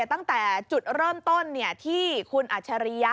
ตั้งแต่จุดเริ่มต้นที่คุณอัจฉริยะ